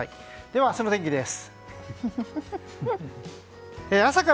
では明日の天気です。